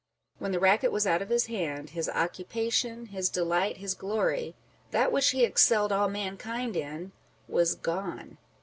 When the racket was out of his hand, his occupation, his delight, his glory â€" that which he excelled all mankind in â€" was gone